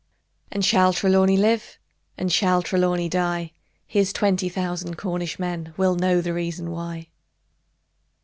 And shall Trelawny live? Or shall Trelawny die? Here's twenty thousand Cornish men Will know the reason why!